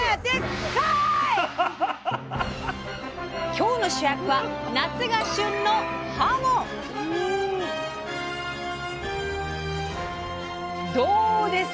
今日の主役は夏が旬のどうです？